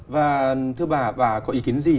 và thưa bà bà có ý kiến gì